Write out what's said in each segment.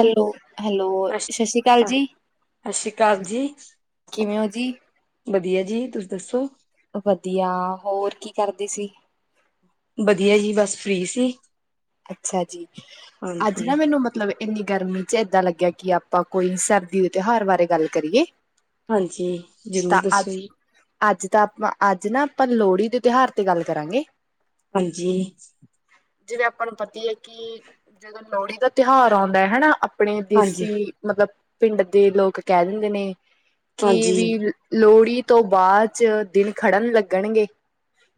Hello hello ਸਤਿ ਸ਼੍ਰੀ ਅਕਾਲ ਜੀ। ਕਾਲ ਜੀ, ਕਿਵੇਂ ਹੋ ਜੀ? ਵਧੀਆ ਜੀ ਤੁਸੀਂ ਦੱਸੋ। ਵਧੀਆ ਹੋਰ ਕੀ ਕਰਦੇ ਸੀ? ਵਧੀਆ ਜੀ ਬਸ ਫਰੀ ਸੀ। ਅੱਛਾ ਜੀ ਅੱਜ ਹਾਂਜੀ ਨਾ ਮੈਨੂੰ ਮਤਲਬ। ਇੰਨੀ ਗਰਮੀ ਚ ਏਦਾਂ ਲੱਗਿਆ ਕਿ ਆਪਾਂ ਕੋਈ ਸਰਦੀ ਦੇ ਤਿਉਹਾਰ ਬਾਰੇ ਗੱਲ ਕਰੀਏ। ਹਾਂਜੀ ਜ਼ਰੂਰ ਤਾਂ ਅੱ ਦੱਸੋ ਜੀ ਅੱਜ ਤਾਂ ਆਪਾਂ ਅੱਜ ਨਾ। ਆਪਾਂ ਲੋਹੜੀ ਦੇ ਤਿਉਹਾਰ ਤੇ ਗੱਲ ਕਰਾਂਗੇ। ਹਾਂਜੀ। ਜਿਵੇਂ ਆਪਾਂ ਨੂੰ ਪਤੀ ਹੈ ਕਿ ਜਦੋਂ ਲੋਹੜੀ ਦਾ ਤਿਉਹਾਰ ਆਉਂਦਾ ਹੈ ਹਨਾ। ਆਪਣੇ ਹਾਂਜੀ ਦੇਸੀ ਮਤਲਬ ਪਿੰਡ ਦੇ ਲੋਕ ਕਹਿ ਦਿੰਦੇ ਨੇ। ਕੀ ਹਾਂਜੀ ਵੀ ਲੋਹੜੀ ਤੋਂ ਬਾਅਦ ਚ ਦਿਨ ਖੜਨ ਲੱਗਣਗੇ।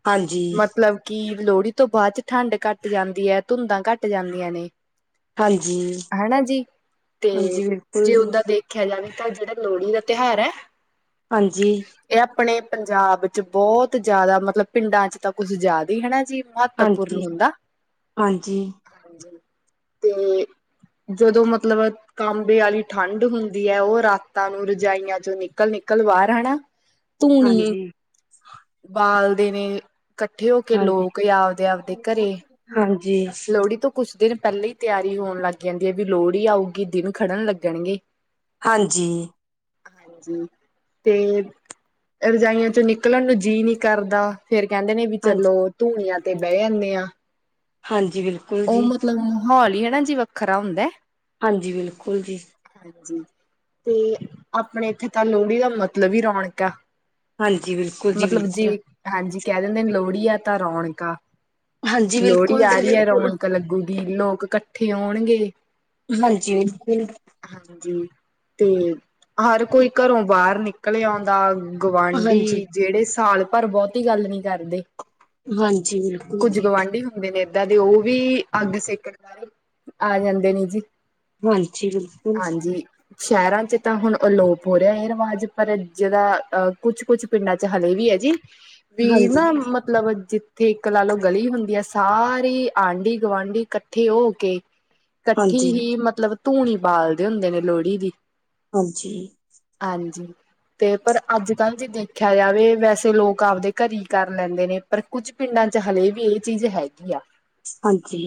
ਹਾਂਜੀ ਮਤਲਬ ਕਿ ਲੋਹੜੀ ਤੋਂ ਬਾਅਦ ਚ ਠੰਡ ਘੱਟ ਜਾਂਦੀ। ਦੀ ਹੈ ਧੁੰਦਾਂ ਘੱਟ ਜਾਂਦੀਆਂ ਨੇ। ਹਾਂਜੀ ਹਨਾ ਜੀ ਤੇ ਹਾਂਜੀ ਬਿਲਕੁਲ ਜੇ ਜੀ ਓਦਾਂ ਦੇਖਿਆ ਜਾਵੇ। ਤਾਂ ਜਿਹੜਾ ਲੋਹੜੀ ਦਾ ਤਿਉਹਾਰ ਹੈ। ਹਾਂਜੀ। ਆਪਣੇ ਪੰਜਾਬ ਚ ਬਹੁਤ ਜ਼ਿਆਦਾ ਮਤਲਬ ਪਿੰਡਾਂ ਚ ਤਾਂ ਕੁਝ ਜ਼ਿਆਦਾ ਹੀ ਹਨਾ ਜੀ ਮਹੱਤਵਪੂਰਨ ਹਾਂਜੀ ਹੁੰਦਾ। ਹਾਂਜੀ। ਤੇਂ ਜਦੋਂ ਮਤਲਬ ਕਾਂਬੇ, ਵਾਲੀ ਠੰਢ ਹੁੰਦੀ ਐ, ਉਹ ਰਾਤਾਂ ਨੂੰ, ਰਜਾਈਆਂ ਚੋਂ ਨਿਕਲ ਨਿ ਕੱਲ ਸ਼ਨੀਵਾਰ ਧੂਨੀ, ਹਾਂਜੀ ਬਾਲਦੇ ਨੇ ਕੱਠੇ, ਹੋ ਕੇ ਹਾਂਜੀ ਲੋਕ, ਜਾਂ ਆਵਦੇ ਆਵਦੇ ਘਰੇ, ਹਾਂਜੀ ਲੋਹੜੀ, ਤੋਂ ਕੁਛ ਦਿਨ ਪਹਿਲੇ, ਹੀ ਤਿਆਰੀ ਹੋਣ ਲੱਗ ਜਾਂਦੀ ਆ, ਵੀ ਲੋਹੜੀ ਆਊਗੀ ਦਿਨ ਖੜਨ ਲੱਗਣਗੇ ਹਾਂਜੀ ਹਾਂਜੀ, ਤੇਂ ਰਜਾਈਆਂ 'ਚ' ਨਿਕਲਣ ਨੂੰ ਜੀਅ ਨੀ ਕਰਦਾ ਫਿਰ ਕਹਿੰਦੇ ਨੇ ਵੀ ਹਾਂਜੀ ਚਲੋ ਧੂਨੀਆਂ ਤੇ ਬਹਿ ਜਾਂਦੇ ਆਂ। ਹਾਂਜ ਉਹ ਮਤਲਬ ਮਾਹੌਲ ਈ ਹਨਾ ਜੀ ਵੱਖਰਾ ਹੁੰਦਾ ਐ ਹਾਂਜੀ ਬਿਲਕੁਲ ਜੀ। ਜੀ ਤੇ ਆਪਣੇ ਇੱਥੇ ਤਾਂ ਲੋਹੜੀ ਦਾ ਮਤਲਬ ਈ ਰੌਣਕ ਆ। ਹਾਂਜੀ ਬਿਲਕੁਲ ਜੀ ਮਤਲਬ ਜੇ ਬਿਲਕੁਲ ਹਾਂਜੀ ਕਹਿ ਦਿੰਦੇ ਨੇ ਲੋਹੜੀ ਆ ਤਾਂ ਰੌਣਕ ਆ। ਹਾਂਜੀ ਲੋਹੜੀ ਬਿਲਕੁਲ ਜੀ ਆ ਰੀ ਐ ਬਿਲਕੁਲ ਰੌਣਕ ਲੱਗੂਗੀ ਲੋਕ ਇਕੱਠੇ ਹੋਣਗੇ। ਹਾਂਜੀ ਬਿਲਕੁਲ। ਹਾਂਜੀ ਤੇ ਹਰ ਕੋਈ ਘਰੋਂ ਬਾਹਰ ਨਿਕਲੇ ਆਉਂਦਾ। ਗੁਵਾਢੀ ਹਾਂਜੀ ਜਿਹੜੇ ਸਾਲ ਭਰ ਬਹੁਤੀ ਗੱਲ ਨੀ ਕਰਦੇ। ਹਾਂਜੀ ਬਿਲਕੁਲ ਕੁੱਝ ਜੀ ਗੁਆਂਢੀ ਹੁੰਦੇ ਨੇ ਜਾਂਦੇ ਉਹ ਵੀ ਅੱਗ ਸੇਕਣ ਵਾਰੇ ਆ ਜਾਂਦੇ ਨੇ ਜੀ। ਹਾਂਜੀ ਬਿਲਕੁਲ। ਹਾਂਜੀ ਸ਼ਹਿਰਾਂ ਚ ਤਾਂ ਹੁਣ ਅਲੋਪ ਹੋ ਰਿਹਾ ਇਹ ਰਿਵਾਜ਼ ਪਰ ਜ਼ਰਾ ਅ ਕੁਛ-ਕੁਛ ਪਿੰਡਾਂ ਚ ਹਲੇ ਵੀ ਐ ਜੀ। ਵੀ ਨਾ ਹਾਂਜੀ ਮਤਲਬ ਜਿੱਥੇ ਇੱਕ ਲਾ ਲੋ ਗਲੀ ਹੁੰਦੀ ਆ ਸਾ ਰੀ‌ ਆਂਢੀ ਗੁਵਾਂਢੀ ਇਕੱਠੇ ਹੋ ਕੇ ਇਕੱਠੀ ਹਾਂਜੀ ਹੀ ਮਤਲਬ ਧੂਣੀ ਬਾਲਦੇ ਹੁੰਦੇ ਨੇ ਲੋਹੜੀ ਦੀ। ਹਾਂਜੀ ਹਾਂਜੀ ਤੇ ਪਰ ਅੱਜ ਕੱਲ੍ਹ ਜੇ ਦੇਖਿਆ ਜਾਵੇ ਵੈਸੇ ਲੋਕ ਆਪਦੇ ਘਰਈ ਕਰ ਲੈਂਦੇ ਨੇ ਪਰ ਕੁੱਝ ਪਿੰਡਾਂ ਚ ਹਲੇ ਵੀ ਇਹ ਚੀਜ਼ ਹੈਗੀ ਆ। ਹਾਂਜੀ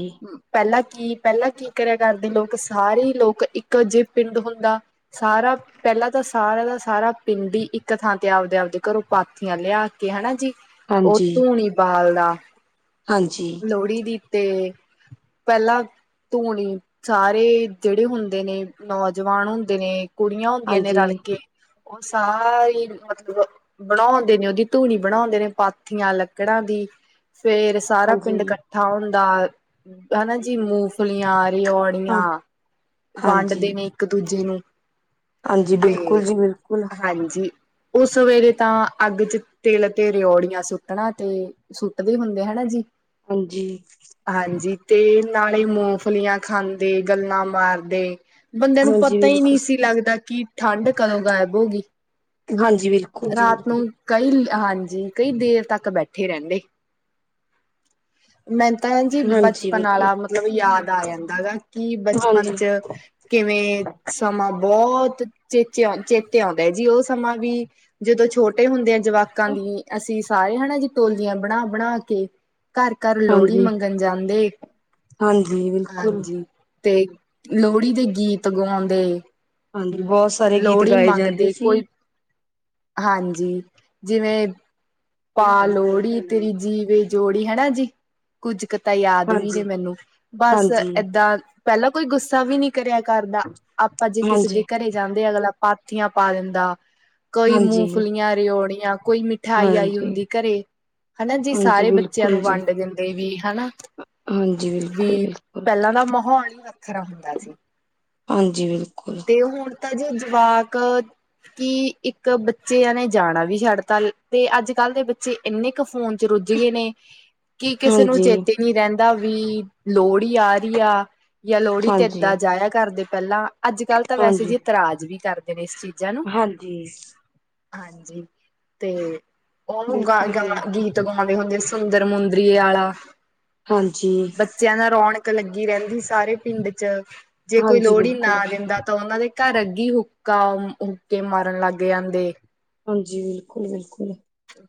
ਕਿ ਪਹਿਲਾਂ ਕੀ ਕਰਿਆ ਕਰਦੇ ਲੋਕ ਸਾਰੇਈ ਲੋਕ ਇੱਕ ਜੇ ਪਿੰਡ ਹੁੰਦਾ ਸਾਰਾ ਪਹਿਲਾਂ ਤਾਂ ਸਾਰਾ ਦਾ ਸਾਰਾ ਪਿੰਡ ਈ ਇੱਕ ਥਾਂ ਤੇ ਆਪਦਾ ਤੇ ਆਪਦੇ ਘਰੋਂ ਪਾਥੀਆਂ ਲਿਆ ਕੇ ਹਨਾ ਜੀ। ਉਹ ਹਾਂਜੀ ਧੂੰਣੀ ਬਾਲਦਾ, ਹਾਂਜੀ ਲੋਹੜੀ ਦੀ। ਤੇ ਪਹਿਲਾਂ ਧੂਣੀ ਸਾਰੇ ਜਿਹੜੇ ਹੁੰਣ ਦੇ ਨੇ ਨੌਜਵਾਨ ਹੁੰਦੇ ਨੇ ਕੁੜੀਆਂ ਹੁੰਦੀਆਂ ਨੇ ਹਾਂਜੀ ਰਲ ਕੇ। ਉਹ ਸਾਰੀ ਮਤਲਬ ਬਣਾਉਂਦੇ ਨੇ ਉਹਦੀ ਧੂਣੀ ਬਣਾਉਂਦੇ ਨੇ ਪਾਥੀਆਂ ਲੱਕੜਾਂ ਦੀ। ਫੇਰ ਸਾਰਾ ਹਾਂਜੀ ਪਿੰਡ ਕੱਠਾ ਹੁੰਦਾ। ਹਨਾ ਜੀ ਮੂੰਗਫਲੀਆਂ ਹਾਂ ਰਓੜੀਆਂ ਹਾਂਜੀ ਵੰਡਦੇ ਨੇ ਇੱਕ ਦੂਜ ਜੇ ਨੂੰ, ਹਾਂਜੀ ਤੇ ਬਿਲਕੁਲ ਜੀ ਬਿਲਕੁਲ ਹਾਂਜੀ। ਉਹ ਸਵੇਰੇ ਤਾਂ ਅੱਗ ਚ ਤਿਲ ਤੇ ਰਓੜੀਆਂ ਸੁੱਟਣਾ ਤੇ ਸੁੱਟਦੇ ਹੁੰਦੇ ਹਨਾ ਜੀ। ਹਾਂਜੀ ਹਾਂਜੀ ਤੇ ਨਾਲੇ ਮੂੰਗਫਲੀਆਂ ਖਾਂਦੇ ਗੱਲਾਂ ਮਾਰ ਦੇ ਬੰਦਿਆਂ ਨੂੰ ਹਾਂਜੀ ਪਤਾ ਈ ਨੀ ਬਿਲਕੁਲ ਸੀ ਲੱਗਦਾ ਕਿ ਠੰਡ ਕਦੋਂ ਗਾਇਬ ਹੋ ਗੀ। ਹਾਂਜ ਰਾਤ ਨੂੰ ਕਈਲ ਹਾਂਜੀ ਕਈ ਦੇਰ ਤੱਕ ਬੈਠੇ ਰੇਂਦੇ, ਮੈਂ ਤਾ ਜੀ ਹਾਂਜੀ ਬਚਪਨ ਬਿਲਕੁਲ ਆਲਾ ਮਤਲਬ ਯਾਦ ਆ ਜਾਂਦਾ ਗਾ ਕਿ ਬਚਪਨ ਹਾਂਜੀ ਚ ਕਿਵੇਂ ਸਮਾਂ ਬਹੁ ਤ ਚੇਚੇ ਆ ਚੇਤੇ ਆਉਂਦਾ ਜੀ ਉਹ ਸਮਾਂ ਵੀ ਜਦੋਂ ਛੋਟੇ ਹੁੰਦੇ ਆ ਜਵਾਕਾਂ ਦੀ ਅਸੀਂ ਸਾਰੇ ਹਨਾ ਜੀ ਟੋਲੀਆਂ ਬਣਾ-ਬਣਾ ਕੇ ਘਰ-ਘਰ ਲੋਹੜੀ ਹਾਂਜੀ ਮੰਗਣ ਜਾਂਦੇ, ਹਾਂਜੀ ਬਿਲਕੁਲ ਹਾਂਜੀ। ਤੇ ਲੋਹੜੀ ਦੇ ਗੀਤ ਗਾਉਂਦੇ। ਹਾਂਜੀ ਬਹੁਤ ਸਾਰੇ ਗੀਤ ਲੋਹੜੀ ਗਾਏ ਜਾਂਦੇ ਮੰਗਦੇ ਸੀ। ਕੋਈ ਹਾਂਜੀ ਜਿਵੇਂ ਪਾ ਲੋਹੜੀ ਹਾਂਜੀ ਤੇਰੀ ਜੀਵੇ ਜੋੜੀ ਹਨਾ ਜੀ ਕੁੱਝ ਕੁ ਤਾਂ ਯਾਦ ਵੀ ਹਾਂਜੀ ਨੇ ਮੈਨੂੰ ਬਸ ਹਾਂਜੀ ਏਦਾਂ ਪਹਿਲਾਂ ਕੋਈ ਗੁੱਸਾ ਵੀ ਨੀ ਕਰਿਆ ਕਰਦਾ ਆਪਾਂ ਜੇ ਕਿਸੇ ਹਾਂਜੀ ਦੇ ਘਰੇ ਜਾਂਦੇ ਅਗਲਾ ਪਾਥੀਆਂ ਪਾ ਦਿੰਦਾ ਕੋਈ ਮੂੰਗਫਲੀਆਂ ਰਓੜੀਆਂ ਕੋਈ ਮਿਠਾਈ ਆਈ ਹਾਂਜੀ ਹੁੰਦੀ ਘਰੇ ਹਨਾ ਜੀ ਹਾਂਜੀ ਸਾਰੇ ਬੱਚਿਆਂ ਬਿਲਕੁਲ ਨੂੰ ਜੀ ਵੰਡ ਦਿੰਦੇ ਵੀ ਹਨਾ। ਹਾਂਜੀ ਬਿਲਕੁਲ ਵੀ ਬਿਲਕੁਲ ਪਹਿਲਾਂ ਦਾ ਮਾਹੌਲ ਈ ਵੱਖਰਾ ਹੁੰਦਾ ਸੀ। ਹਾਂਜੀ ਬਿਲਕੁਲ ਤਾ ਜੋੇ ਜਵਾਕ ਕਿ ਇੱਕ ਬੱਚਿਆਂ ਨੇ ਜਾਣਾ ਵੀ ਛੱਡਤਾ ਤੇ ਅੱਜ ਅੱਜ ਕੱਲ੍ਹ ਦੇ ਬੱਚੇ ਇੰਨੇ ਕੁ ਫੋਨ ਚ ਰੁੱਝ ਗਏ ਨੇ ਕਿ ਕਿਸੇ ਨੂੰ ਹਾਂਜੀ ਚੇਤੇ ਨੀ ਰਹਿੰਦੇ ਏਵੀ ਲੋਹੜੀ ਆ ਰਹੀ ਆ ਜਾਂ ਲੋਹੜੀ ਤੇ ਹਾਂਜੀ ਏਦਾਂ ਜਾਇਆ ਕਰਦੇ ਪਹਿਲਾਂ ਅੱਜ ਕੱਲ੍ਹ ਤਾਂ ਵੈਸੇ ਹਾਂਜੀ ਜੇ ਇ ਤਰਾਜ ਵੀ ਕਰਦੇ ਨੇ ਇਸ ਚੀਜ਼ ਹਾਂਜੀ ਹਾਂਜੀ ਤੇ ਉਹ ਗਾ ਬਿਲਕੁਲ ਗਾ ਜੀ ਗੀਤ ਗਾਉ ਦੇ ਹੁੰਦੇ ਸੁੰਦਰ ਮੁੰਦਰੀਏ ਆਾ ਹਾਂਜੀ ਬੱਚਿਆਂ ਦਾ ਰੌਣ ਹੁੱਕ ਲੱਗੀ ਰਹਿੰਦੀ ਸਾਰੇ ਪਿੰਡ ਚ ਜੇ ਕੋਈ ਹਾਂਜੀ ਲੋਹੜੀ ਨਾ ਬਿਲਕੁਲ ਦਿੰਦਾ ਤਾਂ ਉਹਨਾਂ ਦੇ ਘਰ ਅੱਗੀ ਹੁ ਗਾਹ ਉੱਕਕੇ ਮਾਰਨ ਲੱਗ ਜਾਂਦੇ ਹਾਂਜੀ ਬਿਲਕੁਲ-ਬਿਲਕੁਲ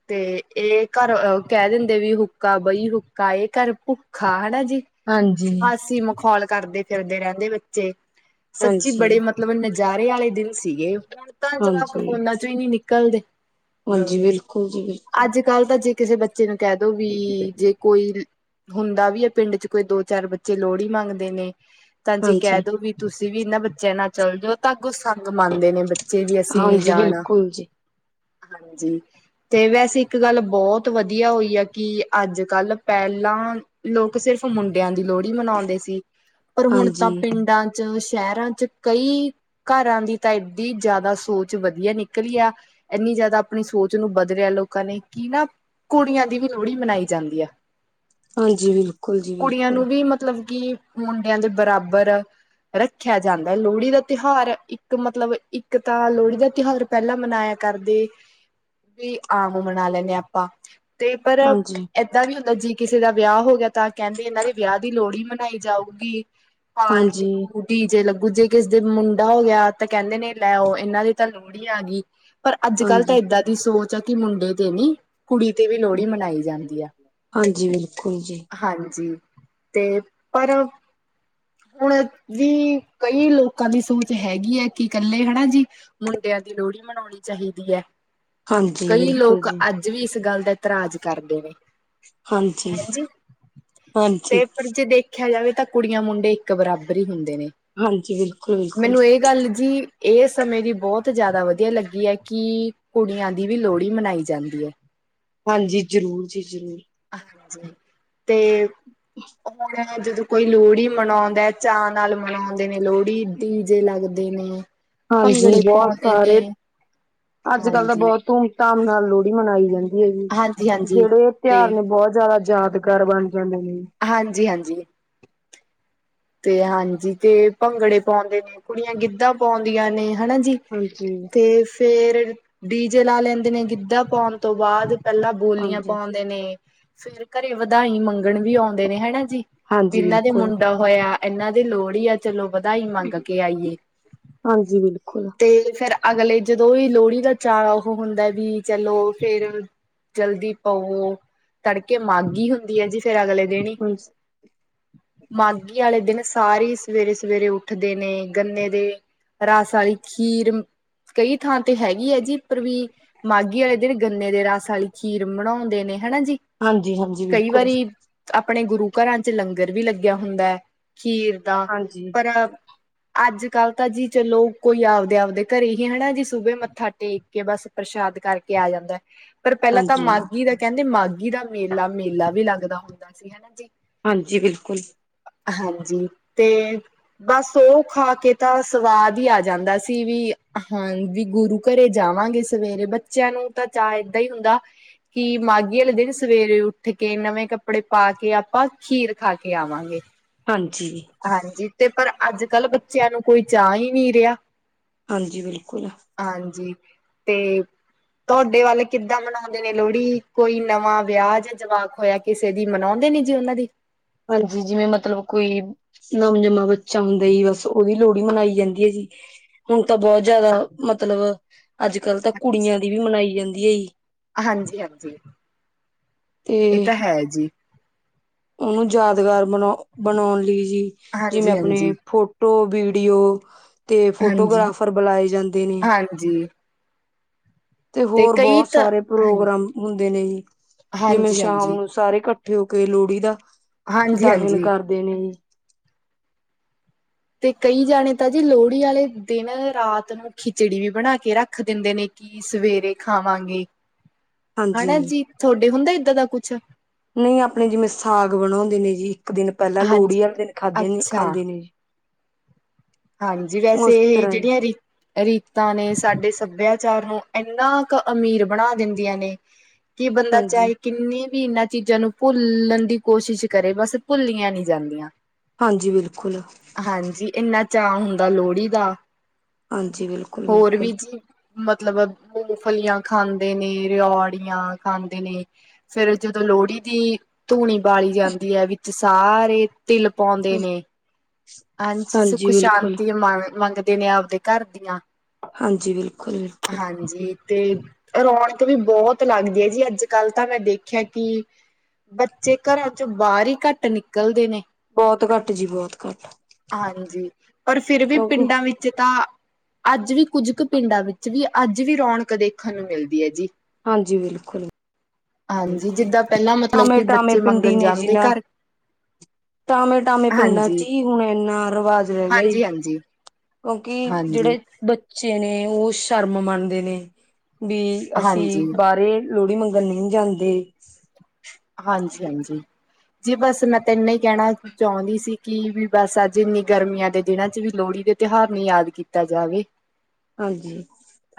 ਤੇ ਇਹ ਘਰ ਕਹਿ ਦਿੰਦੇ ਵੀ ਹੁੱਕਾ ਬਈ ਹੁੱਕਾ ਇਹ ਘਰ ਭੁੱਖਾ ਹੈਨਾ ਹਾਂਜੀ ਹਂਸੀਂ ਮਖੌਲ ਕਰਦੇ ਫਿਰਦੇ ਰਹਿੰਦੇ ਬੱਚੇ ਸੱਚੀ ਬੜੇ ਹਾਂਜੀ ਮਤਲਬ ਨਜ਼ਾਰੇ ਵਾਲੇ ਦਿਨ ਸੀਗੇ ਹੁਣ ਤਾਂ ਜਵਾਕ ਹਾਂਜੀ ਫੋਨਾ ਚੋਂ ਹੀ ਨੀ ਨਿਕਲਦੇ ਹਾਂਜੀ ਬਿਲਕੁਲ ਜੀ ਬਿਲਕੁਲ ਅੱਜ ਕੱਲ੍ਹ ਜੇ ਕਿਸੇ ਬੱਚੇ ਨੂੰ ਕਹਿ ਦੋ ਵੀ ਜੇ ਕੋਈ ਹੁੰਦਾ ਵੀ ਹੈ ਪਿੰਡ ਚ ਕੋਈ ਦੋ ਚਾਰ ਬੱਚੇ ਲੋਹੜੀ ਮੰਗਦੇ ਨੇ ਤਾਂ ਜੇ ਕਹਿ ਹਾਂਜੀ ਦੋ ਵੀ ਤੁਸੀਂ ਤੁਸੀਂ ਵੀ ਇਹਨਾਂ ਬੱਚਿਆਂ ਨਾਲ ਚੱਲ ਜਾਓ ਤਾਂਗ ਉਹ ਸੰਗ ਮੰਨਦੇ ਨੇ ਬੱਚੇ ਵੀ ਅਸੀਂ ਨੀ ਹਾਂਜੀ ਜਾਣਾ ਬਿਲਕੁਲ ਜੀ ਹਾਂਜੀ ਤੇ ਵੈਸੇ ਇੱਕ ਗੱਲ ਬਹੁਤ ਵਧੀਆ ਹੋਈ ਆ ਕਿ ਅੱਜ ਕੱਲ ਪਹਿਲਾਂ ਲੋਕ ਸ ਸਿਰਫ ਮੁੰਡਿਆਂ ਦੀ ਲੋਹੜੀ ਮਨਾਉਂਦੇ ਸੀ ਪਰ ਹੁਣ ਤਾਂ ਹਾਂਜੀ ਪਿੰਡਾਂ ਚ ਸ਼ਹਿਰਾਂ ਚ ਕਈ ਘਰਾਂ ਦੀ ਤਾਂ ਇਏਡੀ ਜ਼ਿਆਦਾ ਸੋਚ ਵਧੀਆ ਨਿਕਲੀ ਆ ਇੰਨੀ ਜ਼ਿਆਦਾ ਆਪਣੀ ਸੋਚ ਨੂੰ ਬਦਲਿਆ ਲੋਕਾਂ ਨੇ ਕਿ ਨਾ ਕੁੜੀਆਂ ਦੀ ਵੀ ਲੋਹੜੀ ਮਨਾਈ ਜਾਂਦੀ ਆ ਹਾਂਜੀ ਬਿਲਕੁਲ ਜੀ ਕੁੜੀਆਂ ਬਿਲਕੁਲ ਨੂੰ ਵੀ ਮਤਲਬ ਕਿ ਮੁੰਡਿਆਂ ਦੇ ਬਰਾਬਰ ਰੱਖਿਆ ਜਾਂਦਾ ਹੈ ਲੋਹੜੀ ਦਾ ਤਿਉਹਾਰ ਇੱਕ ਮਤਲਬ ਇੱਕ ਤਾਂ ਲੋਹੜੀ ਦਾ ਤਿਉਹਾਰ ਪਹਿਲਾਂ ਮਨਾਇਆ ਕਰਦੇ ਵੀ ਆਮ ਮਨਾ ਲੈਂਦੇ ਹਾਂ ਆਪਾਂ ਤੇ ਪਰ ਹਾਂਜੀ ਏਦਾਂ ਵੀ ਹੁੰਦਾ ਜੀ ਕਿਸੇ ਦਾ ਵਿਆਹ ਹੋ ਗਿਆ ਤਾਂ ਕਹਿੰਦੇ ਇਹਨਾਂ ਦੇ ਵਿਆਹ ਦੀ ਲੋਹੜੀ ਮਨਾਈ ਜਾਊਗੀ ਪਾਲਟੀ ਹਾਂਜੀ ਹੋਓਗੀ, ਡੀ ਜੇ ਲ ਗੂਜੇ ਕਿਸੇ ਦੇ ਮੁੰਡਾ ਹੋ ਗਿਆ ਤਾਂ ਕਹਿੰਦੇ ਨੇ ਲੈਓ ਇਹਨਾਂ ਦੀ ਤਾਂ ਲੋਹੜੀ ਆ ਗਈ ਪਰ ਅੱਜ -ਕੱਲ ਤਾਂ ਹਾਂਜੀ ਇਏਦਾਂ ਦੀ ਸੋਚ ਹੈ ਕਿ ਮੁੰਡੇ ਤੇ ਨੀ ਕੁੜੀ ਤੇ ਵੀ ਲੋਹੜੀ ਮਨਾਈ ਜਾਂਦੀ ਆ, ਹਾਂਜੀ ਬਿਲਕੁਲ ਜੀ ਹਾਂਜੀ ਤੇ ਪਰ ਹੁਣ ਵੀ ਕਈ ਲੋਕਾਂ ਦੀ ਸੋਚ ਹੈਗੀ ਹੈ ਕਿ ਇਕੱਲੇ ਹੈਨਾ ਜੀ ਮੁੰਡੇ ਦੀ ਲੋਹੜੀ ਮਨਾਉਣੀ ਚਾਹੀਦੀ ਹੈ। ਹਾਂਜੀ ਕਈ ਬਿਲਕੁਲ ਲੋਕ ਜੀ ਅੱਜ ਵੀ ਇਸ ਗੱਲ ਇਤਰਾਜ ਕਰਦੇ ਨੇ ਹਾਂਜੀ ਹਂਜੀ ਤੇ ਹਾਂਜੀ ਪਰ ਜੇ ਦੇਖਿਆ ਜਾਵੇ ਤਾਂ ਕੁੜੀਆਂ- ਮੁੰਡੇ ਇੱਕ ਬਰਾਬਰ ਹੀ ਹੁੰਦੇ ਹਾਂਜੀ ਬਿਲਕੁਲ ਬਿਲਕੁਲ ਮੈਨੂੰ ਇਹ ਗੱਲ ਜੀ ਇਹ ਸਮੇਂ ਦੀ ਬਹੁਤ ਜ਼ਿਆਦਾ ਵਧੀਆ ਲੱਗੀ ਹੈ ਕਿ ਕੁੜੀਆਂ ਦੀ ਵੀ ਲੋਹੜੀ ਮਨਾਈ ਜਾਂਦੀ ਹੈ। ਹਾਂਜੀ, ਜ਼ਰੂਰ ਜੀ ਜ਼ਰੂਰ। ਤੇ ਹੋਣ ਜਦੋਂ ਕੋਈ ਲੋਹੜੀ ਮਨਾਉਂਦਾ ਚਾਅ ਨਾਲ ਮਨਾਉਂਦੇ ਨੇ ਲੋਹੜੀ ਡੀ ਜੇ ਲੱਗਦੇ ਨੇ ਹਾਂਜੀ, ਭੰਗੜੇ ਬਹੁਤ ਪਾਉਂਦੇ ਸਾਰੇ ਨੇ ਅੱਜ- ਕਲ ਦਾ ਹਾਂਜੀ ਬਹੁਤ ਧੂਮ ਧਾਮ ਨਾਲ ਲੋਹੜੀ ਮਨਾਈ ਜਾਂਦੀ ਹੈ ਜੀ। ਹਾਂਜੀ ਹਾਂਜੀ ਜਿਹੜੇ ਇਹ ਤੇ ਤਿਉਹਾਰ ਨੇ ਬਹੁਤ ਜ਼ਿਆਦਾ ਯਾਦਗਾਰ ਬਣ ਜਾਂਦੇ ਨੇ। ਹਾਂਜੀ-ਹਾਂਜੀ। ਤੇ ਹਾਂਜੀ ਤੇ ਭੰਗੜੇ ਪਾਉਂਦੇ ਨੇ ਕੁੜੀਆਂ ਗਿੱਧਾ ਪਾਉਂਦੀਆਂ ਨੇ ਹੈਨਾ ਜੀ, ਹਾਂਜੀ ਤੇ ਫੇਰ ਡੀਜੇ ਲਾ ਲੈਂਦੇ ਨੇ ਗਿੱਧਾ ਪਾਉਣ ਤੋਂ ਬਾਅਦ ਪਹਿਲਾਂ ਬੋਲੀਆਂ ਹਾਂਜੀ। ਪਾਉਂਦੇ ਨੇ ਫੇਰ ਘਰੇ ਵਧਾਈ ਮੰਗਣ ਵੀ ਆਉਂਦੇ ਨੇ ਹੈਨਾ ਜੀ, ਵੀ ਹਾਂਜੀ ਇਨਾਂ ਦੇ ਬਿਲਕੁਲ ਮੁੰਡਾ ਹਾਂ ਇਹਨਾਂ ਦੀ ਲੋੜਹੀ ਆ ਚਲੋ ਵਧਾਈ ਮੰਗ ਕੇ ਆਈਏ। ਹਾਂਜੀ ਬਿਲਕੁਲ। ਤੇ ਫੇਰ ਅਗਲੇ ਜਦੋਂ ਇਹ ਲੋੜੀ ਦਾ ਚਾਅ ਉਹ ਹੁੰਦਾ ਵੀ ਚਲੋ ਫਿਰ ਜਲਦੀ ਪਊ ਤੜਕੇ ਮਾਂਗੀ ਹੁੰਦੀ ਹੈ ਜੀ ਫਿਰ ਅਗਲੇ ਦੇਣੀ ਹਾਂਜੀ ਮ ਮਾਗੀ ਆਲੇ ਦਿਨ ਸਾਰੀ ਸਵੇਰੇ- ਸਵੇਰੇ ਉੱਠਦੇ ਨੇ, ਗੰਨੇ ਦੇ ਰਸ ਵਾਲੀ ਖੀਰ ਕਈ ਥਾਂ ਤੇ ਹੈਗੀ ਹੈ ਜੀ ਪਰਵੀ ਮਾਗੀ ਵਾਲੇ ਦਿਨ ਗੰਨੇ ਦੇ ਰਸ ਵਾਲੀ ਖੀਰ ਬਣਾਉਂਦੇ ਨੇ ਹੈਨਾ ਜੀ, ਹਾਂਜੀ ਹਾਂਜੀ ਕਈ ਬਿਲਕੁਲ। ਵਾਰੀ ਆਪਣੇ ਗੁਰੂ ਘਰਾਂ 'ਚ ਲੰਗਰ ਵੀ ਲੱਗਿਆ ਹੁੰਦਾ ਹੈ। ਖੀਰ ਦਾ ਹਾਂਜੀ। ਪਰ ਅ ਅੱਜ -ਕੱਲ ਤਾਂ ਜੀ ਚਲੋ ਕੋਈ ਆਪਦੇ -ਆਪਦੇ ਘਰੇ ਹੀ ਹਨਾ ਜੀ ਸੂਬੇ ਮੱਥਾ ਟੇਕ ਕੇ ਬਸ ਯਾਦ ਕਰਕੇ ਆ ਜਾਂਦਾ ਐ। ਪਰ ਪਹਿਲਾਂ ਤਾਂ ਹਾਂਜੀ ਮਾਗੀ ਦਾ ਕਹਿੰਦੇ ਮਾਗੀ ਦਾ ਮੇਲਾ ਵੀ ਲੱਗਦਾ ਹੁੰਦਾ ਸੀ, ਹੈਨਾ ਜੀ। ਹਾਂਜੀ, ਬਿਲਕੁਲ। ਹਾਂਜੀ, ਤੇ ਬਸ ਉਹ ਖਾ ਕੇ ਤਾਂ ਸਵਾਦ ਹੀ ਆ ਜਾਂਦਾ ਸੀ ਵੀ ਹਾਂਜੀ ਗੁਰੂ ਘਰੇ ਜਾਵਾਂਗੇ ਸਵੇਰੇ ਬੱਚਿਆਂ ਨੂੰ ਤਾਂ ਚਾਹੇ ਇਦਾਂ ਹੀ ਹੁੰਦਾ। ਕਿ ਮਾਗੀ ਆਲੇ ਦਿਨ, ਸਵੇਰੇ ਉੱਠ ਕੇ, ਨਵੇਂ ਕੱਪੜੇ ਪਾ ਕੇ, ਆਪਾਂ ਖੀਰ ਖਾ ਕੇ ਆਵਾਂਗੇ। ਹਾਂਜੀ ਹਾਂਜੀ, ਤੇ ਪਰ ਅੱਜ -ਕੱਲ ਬੱਚਿਆਂ ਨੂੰ ਕੋਈ ਚਾਹ ਹੀ ਨਹੀਂ ਰਿਹਾ। ਹਾਂਜੀ, ਬਿਲਕੁਲ। ਹਾਂਜੀ ਤੇ ਤੁਹਾਡੇ ਵੱਲ ਕਿੱਦਾਂ ਮਨਾਉਂਦੇ ਨੇ ਲੋੜੀ ਕੋਈ ਨਵਾਂ ਵਿਆਜ ਜਵਾਕ ਹੋਇਆ ਕਿਸੇ ਦੀ ਮਨ ਤੇ ਨਹੀਂ ਜੇ ਉਹਨਾਂ ਦੀ ਹਾਂਜੀ ਜਿਵੇਂ ਮਤਲਬ ਕੋਈ ਨਮ- ਜਮਾ ਬੱਚਾ ਹੁੰਦਾ ਬਸ ਉਹਦੀ ਲੋਹੜੀ ਮਨਾਈ ਜਾਂਦੀ ਹੈ ਜੀ। ਹੁਣ ਤਾਂ ਬਹੁਤ ਜਿਆਦਾ ਮਤਲਬ ਅੱਜ ਕੱਲ ਤਾਂ ਕੁੜੀਆਂ ਦੀ ਵੀ ਮਨਾਈ ਜਾਂਦੀ ਹ ਹਾਂਜੀ ਹਾਂਜੀ ਇਹ ਤਾਂ ਹੈ ਜੀ ਉ ਯਾਦਗਾਰ ਬਣਾਉਣ ਲਈ ਜੀ ਜਿਵੇਂ ਹਾਂਜੀ-ਹਾਂਜੀ, ਆਪਣੇ ਫੋਟੋ ਤੇ ਫੋਟੋਗ੍ਰਾਫਰ ਬਣਾਏ ਜਾਂਦੇ ਨੇ ਹਾਂਜੀ-ਹਾਂਜੀ ਤੇ ਹੋਰ ਕਈ ਬਹੁਤ ਤਾਂ ਸਾਰੇ ਹਾਂਜੀ, ਪ੍ਰੋਗਰਾਮ ਹੁੰਦੇ ਨੇ ਜੀ ਇਹ ਮੈਂ ਸ਼ਾਮ ਹਾਂਜੀ-ਹਾਂਜੀ, ਨੂੰ ਕਿਉਂਕਿ ਲੋੜੀ ਦਾ ਦਾਸਨ ਹਾਂਜੀ-ਹਾਂਜੀ ਕਰ ਦੇਣੀ ਤੇ ਕਈ ਜਾਣੇ ਤਾਂ ਜੇ ਲੋੜ ਹੀ ਵਾਲੇ ਦਿਨ ਰਾਤ ਨੂੰ ਖਿੱਚੜੀ ਵੀ ਬਣਾ ਕੇ ਰੱਖ ਦਿੰਦੇ ਕੀ ਸਵੇਰੇ ਖਾਵਾਂਗੇ ਹਨਾ ਹਾਂਜੀ ਜੀ ਤੁਹਾਡੇ ਹੁੰਦੇ ਇਦਾਂ ਦਾ ਨਹੀਂ ਆਪਣੀ ਜਿਵੇਂ ਸਾਗ ਬਣਾਉਂਦੇ ਨੇ ਜੀ ਇੱਕ ਦਿਨ ਪਹਿਲਾਂ ਲੋੜੀ ਹਾਂਜੀ ਵਾਲੇ ਦਿਨ ਖਾਦੇ ਅੱਛਾ ਖਾਂਦੇ ਨੇ ਹਾਂਜੀ ਵੈਸੇ ਉਸ ਤਰ੍ਹਾਂ ਹੀ ਜਿਹੜੀਆਂ ਰੀਤਾਂ ਨੇ ਸਾਡੇ ਸਭਿਆ ਸਰ ਮੈਂ ਇਨਾ ਕ ਅਮੀਰ ਬਣਾ ਦਿੰਦੀਆਂ ਨੇ ਕਿ ਬੰਦਾ ਹਾਂਜੀ ਚਾਹੇ ਭੀ ਇਹਨਾਂ ਚੀਜ਼ਾਂ ਨੂੰ ਭੁੱਲਣ ਦੀ ਕੋਸ਼ਿਸ਼ ਕਰੇ ਬਸ ਭੁੱਲ ਹਾਂਜੀ ਬਿਲਕੁਲ ਚਾਰ ਹੁੰਦਾ ਲੋੜੀ ਦਾ ਹਾਂਜੀ ਬਿਲਕੁਲ ਹੋਰ ਬਿਲਕੁਲ ਵੀ ਜੀ ਮਤਲਬ ਫਲੀਆਂ ਖਾਂਦੇ ਨੇ ਰਿਓੜੀਆਂ ਖਾਂਦੇ ਨੇ ਫਿਰ ਲੋੜੀ ਦੀ ਧੂਣੀ ਬਾਲੀ ਜਾਂਦੀ ਹ ਵਿੱਚ ਸਾਰੇ ਤਿਲ ਪਾਉਂਦੇ ਨੇ ਅੰਜ ਸੁਖ ਹਾਂਜੀ ਬਿਲਕੁਲ ਸ਼ਾਂਤੀ ਦਿਨੇ ਆਪਦੇ ਘਰ ਹਾਂਜੀ ਬਿਲਕੁਲ ਬਿਲਕੁਲ ਹਾਂਜੀ ਤੇ ਰੌਣਕ ਵੀ ਬਹੁਤ ਲੱਗਦੀ ਹ ਜੀ ਅੱਜ ਕੱਲ ਤਾਂ ਮੈਂ ਦੇਖਿਆ ਪਰ ਜੇਕਰ ਵਾਰ ਹੀ ਘੱਟ ਨਿਕਲ ਬਹੁਤ ਘੱਟ ਜੀ ਬਹੁਤ ਘੱਟ ਹਾਂਜੀ ਪਰ ਫਿਰ ਵੀ ਕਿਉਂਕਿ ਪਿੰਡਾਂ ਵਿੱਚ ਤਾਂ ਅੱਜ ਵੀ ਕੁਝ ਕੁ ਪਿੰਡਾਂ ਵਿੱਚ ਵੀ ਅੱਜ ਵੀ ਰੌਣਕ ਦੇਖਣ ਨੂੰ ਮਿਲਦੀ ਹੈ ਹਾਂਜੀ ਬਿਲਕੁਲ ਹਾਂਜੀ ਜਿੱਦਾਂ ਪਹਿਲਾਂ ਮਤਲਬ ਕਿ ਟਾਮੇ ਬੱਚੇ ਪਿੰਡੀ ਮੰਗਣ ਨੇ ਜੀ ਜਾਂਦੇ ਨਾ ਘਰ ਟਾਮੇ ਟਾਮੇ ਪਿੰਡਾਂ ਹਾਂਜੀ। ਚ ਹੀ ਹੁਣ ਇੰਨਾ ਰਿਵਾਜ਼ ਰਹਿ ਗਿਆ ਹਾਂਜੀ ਸੀ ਹਾਂਜੀ ਕਿਉਂਕਿ ਹਾਂਜੀ ਜਿਹੜੇ ਬੱਚੇ ਨੇ ਉਹ ਸ਼ਰਮ ਮੰਨਦੇ ਨੇ ਵੀ ਅਸੀਂ ਹਾਂਜੀ ਬਾਹਰੇ ਲੋਹੜੀ ਮੰਗਣ ਨਹੀਂ ਜਾਂਦੇ ਹਾਂਜੀ ਹਾਂਜੀ ਜੀ ਬਸ ਮੈਂ ਤੈਨੇ ਹੀ ਕਹਿਣਾ ਚਾਹੁੰਦੀ ਸੀ ਕੀ ਵੀ ਬਸ ਅੱਜ ਇੰਨੀ ਗਰਮੀਆਂ ਦੇ ਦਿਨਾਂ ਚ ਵੀ ਲੋਹੜੀ ਦੇ ਤਿਉਹਾਰ ਨ ਯਾਦ ਕੀਤਾ ਜਾਵੇ ਹਾਂਜੀ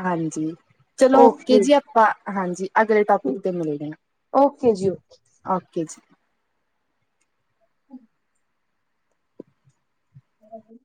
ਹਾਂਜੀ ਚਲੋ ਓਕੇ ਜੀ ਆਪਾਂ ਹਾਂਜੀ ਅਗਲੇ ਟੋਪਿਕ ਤੇ ਮਿਲੇ ਗ ਹ ਓਕੇ ਜੀ ਓਕੇ ਜੀ ਹਾਂਜੀ